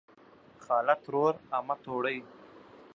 خاله ترور امه توړۍ